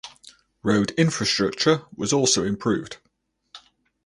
Road infrastructure was also improved.